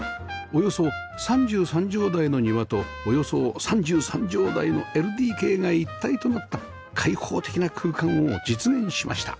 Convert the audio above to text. およそ３３畳大の庭とおよそ３３畳大の ＬＤＫ が一体となった開放的な空間を実現しました